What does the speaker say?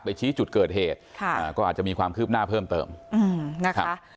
ชี้จุดเกิดเหตุค่ะอ่าก็อาจจะมีความคืบหน้าเพิ่มเติมอืมนะคะ